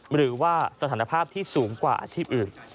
หรือว่าสถานภาพที่สูงกว่าอาชีพอื่น